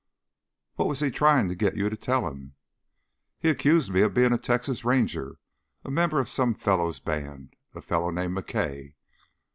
"What was he trying to get you to tell him?" "He accused me of being a Texas Ranger, a member of some fellow's band, a fellow named McKay."